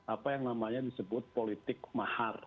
apa yang namanya disebut politik mahar